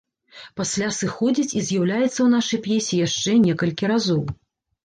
Пасля сыходзіць і з'яўляецца ў нашай п'есе яшчэ некалькі разоў.